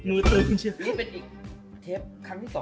มือตูงใช่ไหม